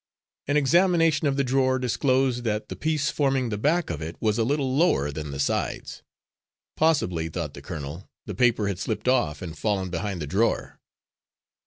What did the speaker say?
An examination of the drawer disclosed that the piece forming the back of it was a little lower than the sides. Possibly, thought the colonel, the paper had slipped off and fallen behind the drawer.